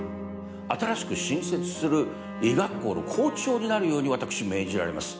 新しく新設する医学校の校長になるように私、命じられます。